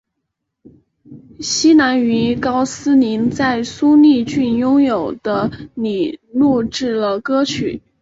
希兰于高斯林在舒梨郡拥有的里录制了歌曲。